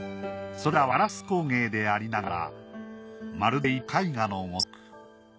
それらはガラス工芸でありながらまるで一幅の絵画のごとく。